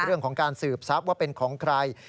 เรื่องของการสืบทรัพย์ว่าเป็นของใคร